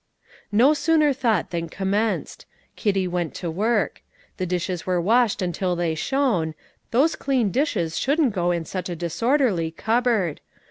No sooner thought than commenced. Kitty went to work. The dishes were washed until they shone; those clean dishes shouldn't go in such a disorderly cupboard.